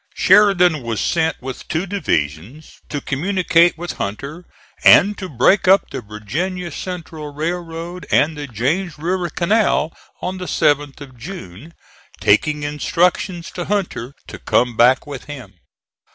Sheridan was sent with two divisions, to communicate with Hunter and to break up the Virginia Central Railroad and the James River Canal, on the 7th of June, taking instructions to Hunter to come back with him (*35).